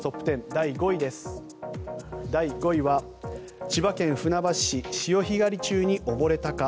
第５位は千葉県船橋市潮干狩り中に溺れたか。